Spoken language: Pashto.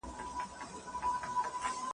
احترام باید پاته سي.